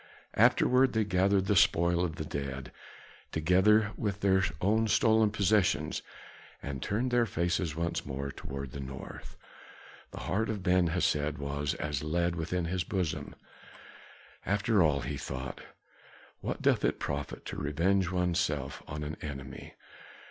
Afterward they gathered the spoil of the dead, together with their own stolen possessions and turned their faces once more toward the north. The heart of Ben Hesed was as lead within his bosom. "After all," he thought, "what doth it profit to revenge oneself on an enemy?